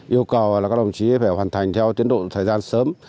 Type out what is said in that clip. yêu cầu các đồng chí phải hoàn thành theo tiến độ thời gian sớm